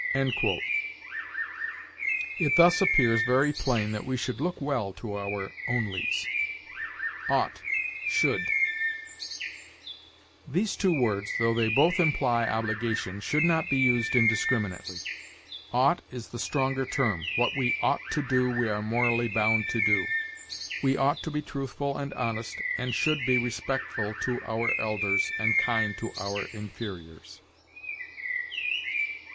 '" It thus appears very plain that we should look well to our onlys. OUGHT SHOULD. These two words, though they both imply obligation, should not be used indiscriminately. Ought is the stronger term; what we ought to do, we are morally bound to do. We ought to be truthful and honest, and should be respectful to our elders and kind to our inferiors.